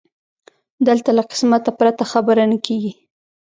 دلته له قسمه پرته خبره نه کېږي